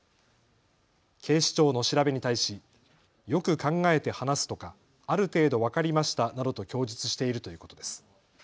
警視庁の調べに対しよく考えて話すとか、ある程度分かりましたなどと供述しているということです。